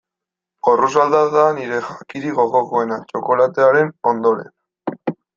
Porrusalda da nire jakirik gogokoena, txokolatearen ondoren.